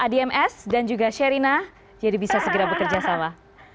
adms dan juga sherina jadi bisa segera bekerja sama